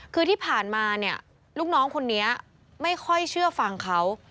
คือที่ผ่านมาเนี่ยลูกน้องคนนี้ไม่ค่อยเชื่อฟังเขา